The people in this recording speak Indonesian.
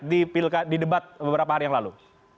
di debat beberapa hari yang lalu